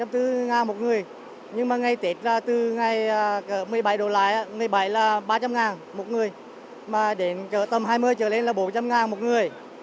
từ ngày một mươi bảy đổ lái một mươi bảy là ba trăm linh ngàn một người mà đến tầm hai mươi trở lên là bốn trăm linh ngàn một người